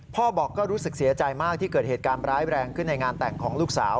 พ่อบอกก็รู้สึกเสียใจมากที่เกิดเหตุการณ์ร้ายแรงขึ้นในงานแต่งของลูกสาว